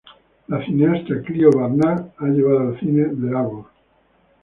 La cineasta Clio Barnard ha llevado al cine The Arbor.